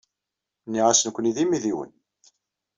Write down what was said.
Nniɣ-as nekkni d imidiwen.